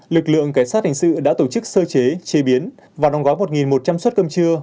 lực lượng cảnh sát hình sự đã tổ chức sơ chế chế biến và đóng gói một một trăm linh suất cơm trưa